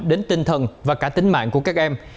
đến tinh thần và cả tính mạng của các em